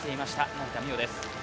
成田実生です。